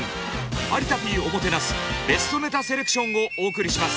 「有田Ｐおもてなすベストネタセレクション」をお送りします。